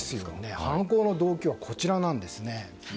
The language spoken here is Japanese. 犯行の動機はこちらです。